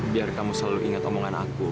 biar kamu selalu ingat omongan aku